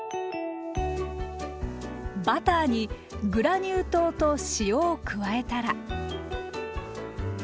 バターにグラニュー糖と塩を加えたら。